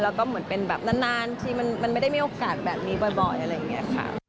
และก็เหมือนเป็นนั้นที่มันไม่ได้มีโอกาสแบบนี้บ่อย